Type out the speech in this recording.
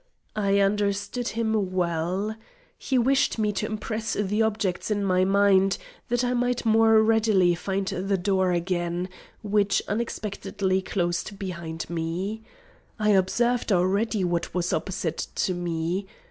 I understood him well. He wished me to impress the objects on my mind, that I might more readily find the door again, which unexpectedly closed behind me. I observed already what was opposite to me.